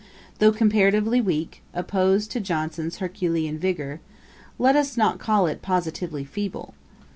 Though comparatively weak, opposed to Johnson's Herculean vigour, let us not call it positively feeble.